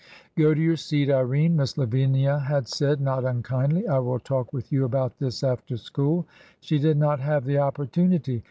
Go to your seat, Irene," Miss Lavinia had said, not unkindly, I will talk with you about this after school." She did not have the opportunity.